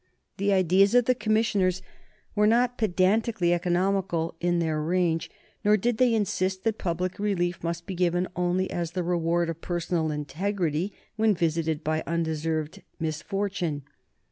The ideas of the commissioners were not pedantically economical in their range, nor did they insist that public relief must be given only as the reward of personal integrity when visited by undeserved misfortune.